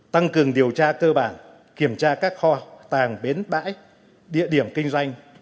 tăng cường điều tra cơ bản kiểm tra các kho tàng bến bãi địa điểm kinh doanh